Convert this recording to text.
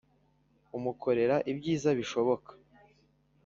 Umukorera ibyiza bishoboka